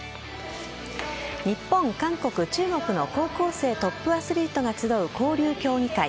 日本、韓国、中国の高校生トップアスリートが集う交流競技会。